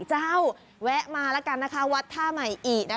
เจ้าแวะมาแล้วกันนะคะวัดท่าใหม่อี